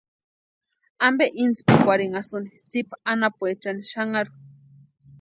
¿Ampe intspikwarhinhasïni tsipa anapuechani xanharu?